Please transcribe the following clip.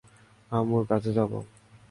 আম্মুর কাছে যাবো!